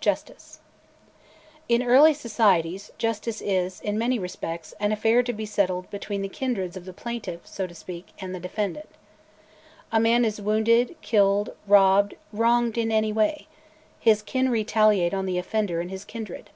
JUSTICE. In early societies, justice is, in many respects, an affair to be settled between the kindreds of the plaintiff, so to speak, and the defendant. A man is wounded, killed, robbed, wronged in any way; his kin retaliate on the offender and his kindred.